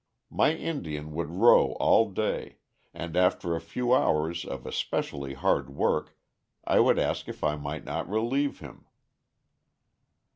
My Indian would row all day, and after a few hours of especially hard work I would ask if I might not relieve him.